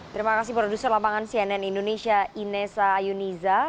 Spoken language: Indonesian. terima kasih produser lapangan cnn indonesia inessa ayuniza